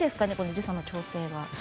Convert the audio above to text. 時差の調整は？